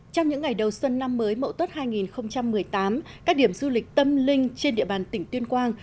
trong những ngày đầu xuân năm mới mậu tuất hai nghìn một mươi tám các điểm du lịch tâm linh trên địa bàn tỉnh tuyên quang